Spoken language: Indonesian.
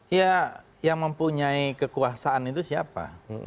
ya yang mempunyai kekuasaan itu siapa